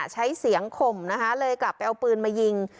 ใช้เสียงข่มนะคะเลยกลับไปเอาปืนมายิง